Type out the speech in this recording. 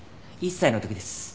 １歳の時です。